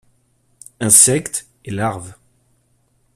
Insectes et larves.